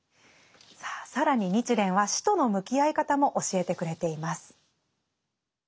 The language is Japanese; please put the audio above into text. さあ更に日蓮は死との向き合い方も教えてくれています。